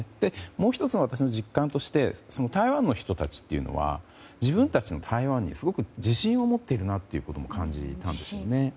もう１つ、私の実感として、台湾の人たちは自分たちの台湾にすごく自信を持っているなとも感じたんですよね。